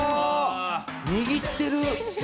握ってる。